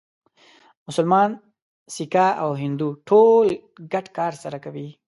مسلمان، سیکه او هندو ټول ګډ کار سره کوي.